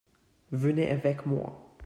Venez avec moi !